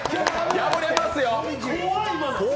破れますよ。